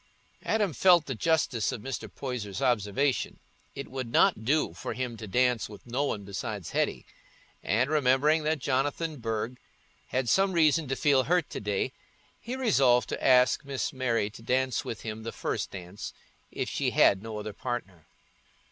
Adam felt the justice of Mr. Poyser's observation: it would not do for him to dance with no one besides Hetty; and remembering that Jonathan Burge had some reason to feel hurt to day, he resolved to ask Miss Mary to dance with him the first dance, if she had no other partner.